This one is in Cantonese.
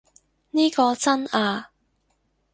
呢個真啊